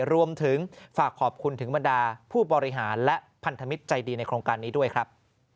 รวมถึงฝากขอบคุณถึงบรรดาผู้บริหารและพันธมิตรใจดีในโครงการนี้ด้วยครับ